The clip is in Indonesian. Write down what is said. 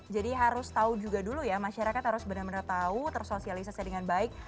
jadi harus tahu juga dulu ya masyarakat harus benar benar tahu tersosialisasi dengan baik